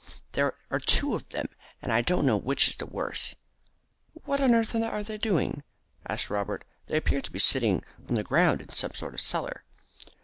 "There are two of them, and I don't know which is the worse." "What on earth are they doing?" asked Robert. "They appear to be sitting on the ground in some sort of a cellar."